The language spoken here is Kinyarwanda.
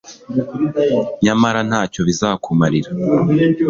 nyamara ntacyo bizakumarira